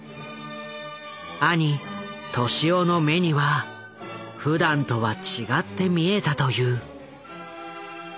兄俊夫の目にはふだんとは違って見えたという。